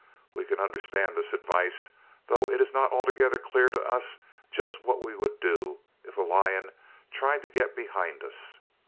We can understand this advice, though it is not altogether clear to us just what we would do if a lion tried to get behind us.